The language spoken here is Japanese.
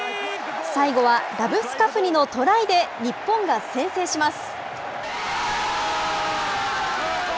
最後はラブスカフニのトライで日本が先制します。